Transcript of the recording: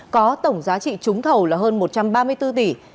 có tổng giá trị trúng thầu là hơn một trăm ba mươi bốn tỷ